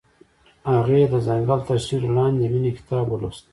هغې د ځنګل تر سیوري لاندې د مینې کتاب ولوست.